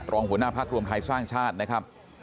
รองหัวหน้าพักรวมไทยสร้างชาตินะครับ